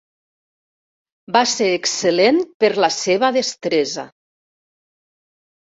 Va ser excel·lent per la seva destresa.